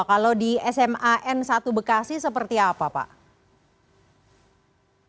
kalau di sma negeri satu bekasi seperti apa pak